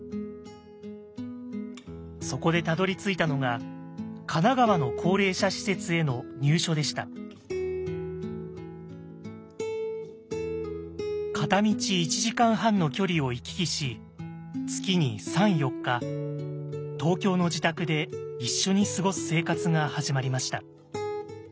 そこでたどりついたのが神奈川の片道１時間半の距離を行き来し月に３４日東京の自宅で一緒に過ごす生活が始まりました。